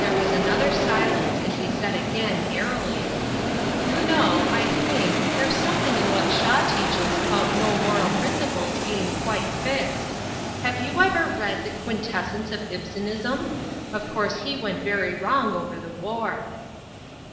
There was another silence, and he said again, airily: "You know, I think, there's something in what Shaw teaches about no moral principles being quite fixed. Have you ever read The Quintessence of Ibsenism? Of course he went very wrong over the war."